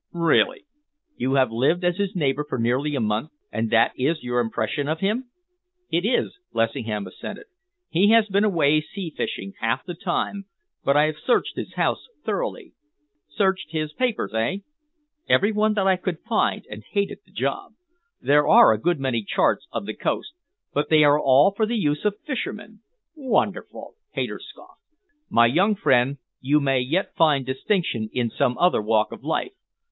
"Really! You have lived as his neighbour for nearly a month, and that is your impression of him?" "It is," Lessingham assented. "He has been away sea fishing, half the time, but I have searched his house thoroughly." "Searched his papers, eh?" "Every one I could find, and hated the job. There are a good many charts of the coast, but they are all for the use of the fishermen." "Wonderful!" Hayter scoffed. "My young friend, you may yet find distinction in some other walk of life.